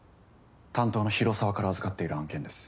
担当の広沢から預かっている案件です。